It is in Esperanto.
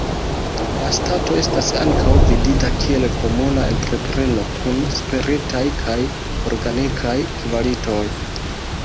La stato estas ankaŭ vidita kiel komuna entrepreno kun spiritaj kaj organikaj kvalitoj.